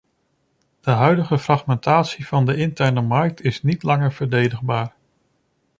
De huidige fragmentatie van de interne markt is niet langer verdedigbaar.